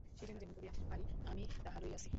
সেইজন্য যেমন করিয়া পারি আমিই তাহা লইয়াছি।